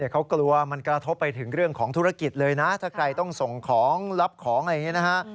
เขากลัวมันกระทบไปถึงเรื่องของธุรกิจเลยนะถ้าใครต้องส่งของรับของอะไรอย่างนี้นะฮะ